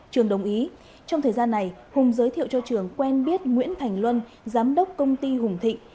trường đồng ý trong thời gian này hùng giới thiệu cho trường quen biết nguyễn thành luân giám đốc công ty hùng thịnh